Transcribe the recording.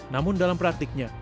namun dalam praktiknya